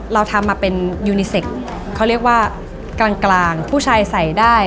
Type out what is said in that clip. เราทำมาเป็นยูนิเซคเขาเรียกว่ากลางกลางผู้ชายใส่ได้